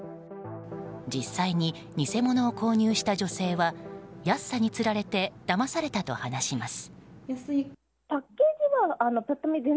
実際に偽物を購入した女性は安さにつられてだまされたと話します。